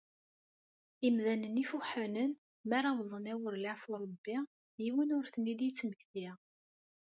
Imdanen ifuḥanen, mi ara awḍen awer leɛfu n Rebbi , yiwen ur ten-id-yettmmekti.